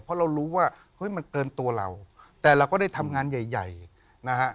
เพราะเรารู้ว่าเฮ้ยมันเกินตัวเราแต่เราก็ได้ทำงานใหญ่ใหญ่นะฮะ